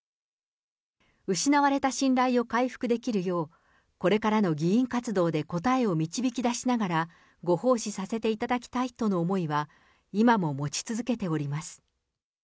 失われた信頼を回復できるよう、これからの議員活動で答えを導き出しながら、ご奉仕させていただきたいとの思いは、今も持ち続けております。